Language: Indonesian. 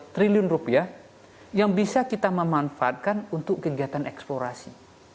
dua puluh tiga dua puluh dua triliun rupiah yang bisa kita memanfaatkan untuk kegiatan eksplorasi